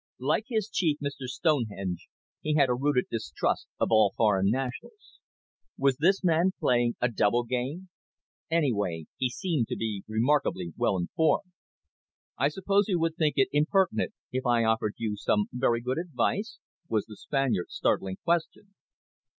Like his chief, Mr Stonehenge, he had a rooted distrust of all foreign nations. Was this man playing a double game? Anyway, he seemed to be remarkably well informed. "I suppose you would think it impertinent if I proffered you some very good advice?" was the Spaniard's startling question.